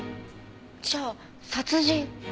じゃあ殺人。